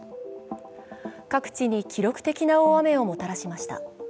各地に記録的な大雨をもたらしました。